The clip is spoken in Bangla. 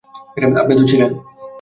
আপনি তো ছিলেন।